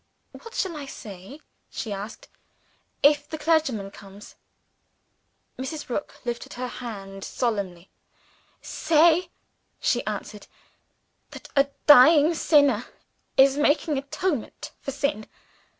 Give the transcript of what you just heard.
"What shall I say," she asked, "if the clergyman comes?" Mrs. Rook lifted her hand solemnly "Say," she answered, "that a dying sinner is making atonement for sin.